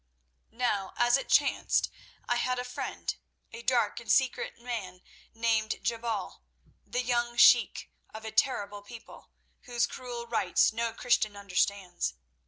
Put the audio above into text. "Now, as it chanced, I had a friend, a dark and secret man named Jebal, the young sheik of a terrible people, whose cruel rites no Christian understands.